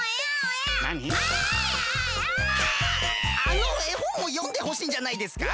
あのえほんをよんでほしいんじゃないですか？